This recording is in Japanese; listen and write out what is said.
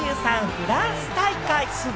フランス大会。